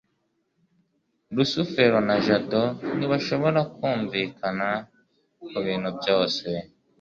rusufero na jabo ntibashobora kumvikana kubintu byose